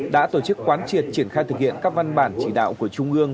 đã tổ chức quán triệt triển khai thực hiện các văn bản chỉ đạo của trung ương